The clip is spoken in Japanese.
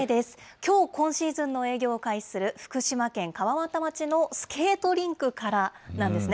きょう、今シーズンの営業を開始する、福島県川俣町のスケートリンクからなんですね。